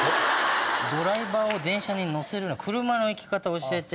ドライバーを電車に乗せるな車の行き方教えて。